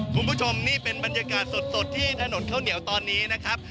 คุณผู้ชมนี่เป็นบรรยากาศสดที่ถนนข้าวเหนียวตอนนี้นะครับ